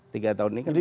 tiga tahun ini kan